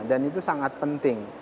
dan itu sangat penting